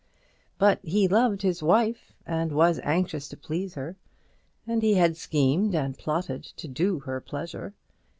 But he loved his wife, and was anxious to please her; and he had schemed and plotted to do her pleasure.